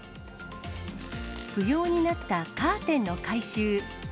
不用になったカーテンの回収。